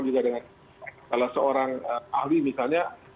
juga dengan salah seorang ahli misalnya